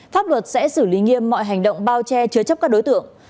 pháp luật sẽ xử lý nghiêm mọi hành động bao che chứa chấp các đối tượng